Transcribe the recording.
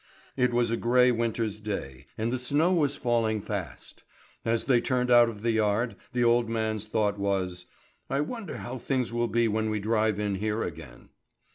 It was a grey winter's day, and the snow was falling fast. As they turned out of the yard, the old man's thought was: "I wonder how things will be when we drive in here again."